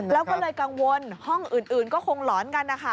แล้วก็เลยกังวลห้องอื่นก็คงหลอนกันนะคะ